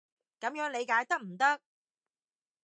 噉樣理解得唔得？